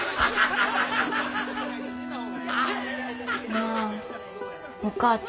なあお母ちゃん。